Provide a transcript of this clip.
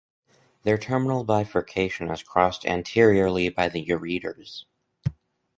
Their terminal bifurcation is crossed anteriorly by the ureters.